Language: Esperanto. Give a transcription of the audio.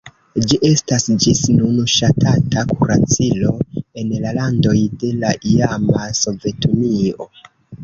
Ĝi estas ĝis nun ŝatata kuracilo en la landoj de la iama Sovetunio.